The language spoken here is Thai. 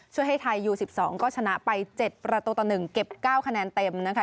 ช่วยให้ไทยยูสิบสองก็ชนะไปเจ็ดประตูต่อหนึ่งเก็บเก้าคะแนนเต็มนะคะ